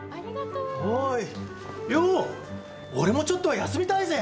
俺もちょっとは休みたいぜ。